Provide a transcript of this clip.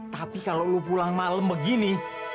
tapi kalau lu pulang malem begini